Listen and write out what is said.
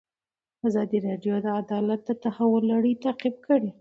ازادي راډیو د عدالت د تحول لړۍ تعقیب کړې.